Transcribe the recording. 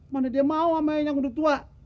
mana dia mau sama yang udah tua